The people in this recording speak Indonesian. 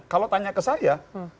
kalau tanya ke saya